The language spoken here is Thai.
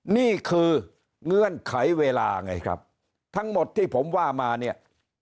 เงื่อนไขเวลาไงครับทั้งหมดที่ผมว่ามาเนี่ย